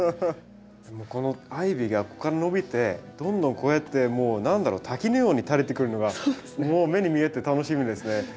このアイビーがここから伸びてどんどんこうやってもう何だろう滝のように垂れてくるのがもう目に見えて楽しみですね。